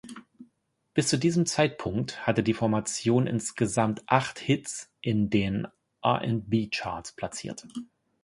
Bis zu diesem Zeitpunkt hatte die Formation insgesamt acht Hits in den R&B-Charts platziert.